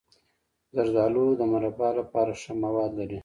زردالو د مربا لپاره ښه مواد لري.